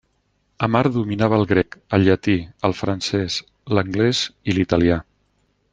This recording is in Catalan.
Amar dominava el grec, el llatí, el francès, l'anglès i l'italià.